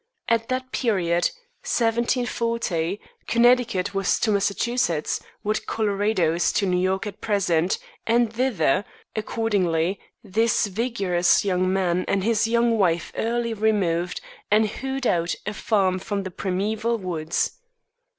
At that period, 1740, Connecticut was to Massachusetts what Colorado is to New York at present; and thither, accordingly, this vigorous young man and his young wife early removed, and hewed out a farm from the primeval woods.